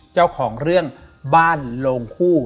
เจ้าของเรื่องบ้านโลงคู่